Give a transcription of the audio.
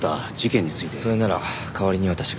それなら代わりに私が。